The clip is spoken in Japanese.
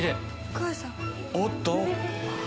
おっと！